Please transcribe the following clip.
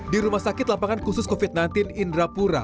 di rumah sakit lapangan khusus covid sembilan belas indrapura